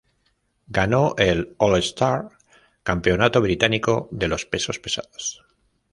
Ganó el All-Star Campeonato Británico de los Pesos Pesados.